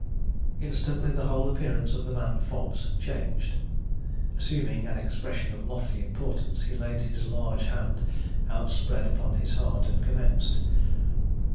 Instantly the whole appearance of the man Fobbs changed. Assuming an expression of lofty importance, he laid his large hand outspread upon his heart and commenced.